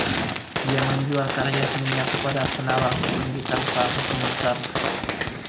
Dia menjual karya seninya kepada penawar tertinggi tanpa berkomentar.